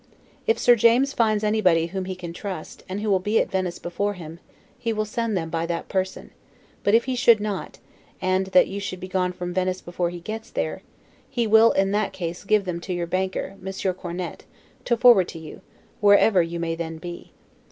If Sir James finds anybody whom he can trust, and who will be at Venice before him, he will send them by that person; but if he should not, and that you should be gone from Venice before he gets there, he will in that case give them to your banker, Monsieur Cornet, to forward to you, wherever you may then be.